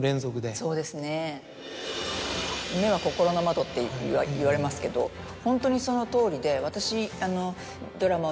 そうですね。って言われますけどホントにそのとおりで私。